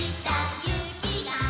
ゆきが。